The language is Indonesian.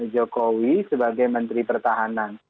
jokowi sebagai menteri pertahanan